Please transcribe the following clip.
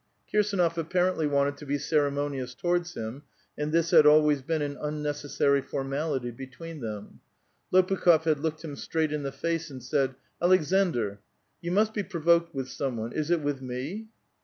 Kirsdnof apparently wanted to be ceremonious towards hifn, and this had always been an unnecessary formality between them. Lopukh6f had looked him straight in the face, and said :—^^ Aleksandr, you must be provoked with some one; is it with me